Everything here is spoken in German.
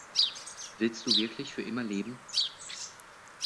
Willst du wirklich für immer leben?